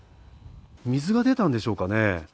水が出たんでしょうかね。